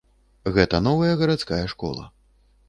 Гэта новая гарадская школа.